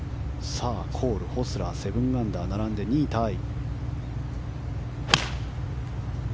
コール、ホスラー７アンダー並んで２位タイ。